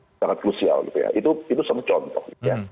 secara klusial gitu ya itu itu contoh